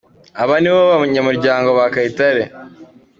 Aba ni abo mu muryango wa Kayitare.